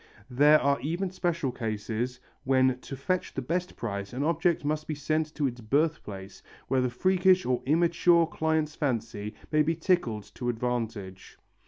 There are even special cases when to fetch the best price an object must be sent to its birthplace where the freakish or immature client's fancy may be tickled to advantage.